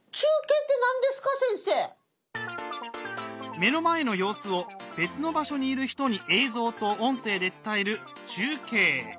目の前の様子を別の場所にいる人に映像と音声で伝える「中継」。